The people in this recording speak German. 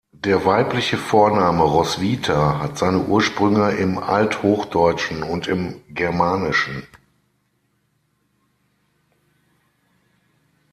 Der weibliche Vorname Roswitha hat seine Ursprünge im Althochdeutschen und im Germanischen.